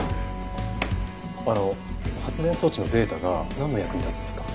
あの発電装置のデータがなんの役に立つんですか？